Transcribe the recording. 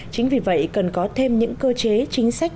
chính vì vậy cần có thêm những cơ chế chính sách